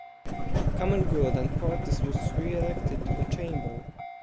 Common Good and Portas was re-elected to the Chamber.